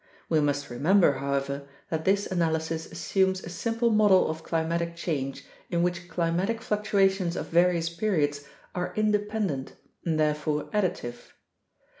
We must remember, however, that this analysis assumes a simple model of climatic change in which climatic fluctua tions of various periods are independent and therefore additive.